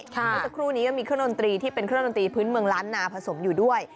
เมื่อสักครู่นี้ก็มีเครื่องดนตรีที่เป็นเครื่องดนตรีพื้นเมืองล้านนาผสมอยู่ด้วย